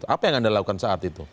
apa yang anda lakukan saat itu